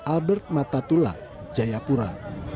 albert matatula jayapura